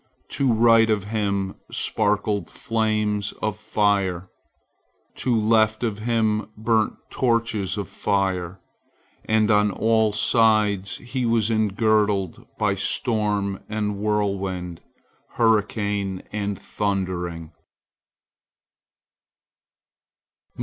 To right of him sparkled flames of fire, to left of him burnt torches of fire, and on all sides he was engirdled by storm and whirlwind, hurricane and thundering.